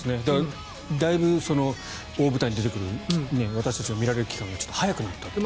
だいぶ大舞台に出てくる私たちが見られる期間がちょっと早くなったという。